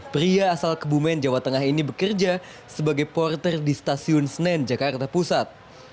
pria asal kebumen jawa tengah ini bekerja sebagai porter di stasiun senen jakarta pusat